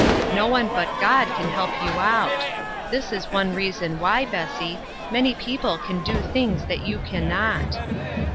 No one but God can help you out. This is one reason why, Bessie, many people can do things that you can not.